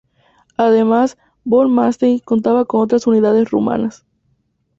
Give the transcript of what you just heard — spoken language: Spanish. Además, Von Manstein contaba con otras unidades rumanas.